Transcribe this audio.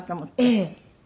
ええ。